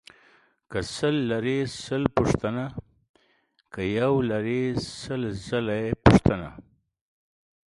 که سل لرې سل پوښته ، که يو لرې سل ځله يې پوښته.